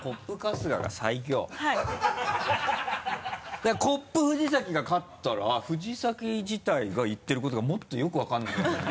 だからコップ・藤崎が勝ったら藤崎自体が言ってることがもっとよく分からなくなるよね。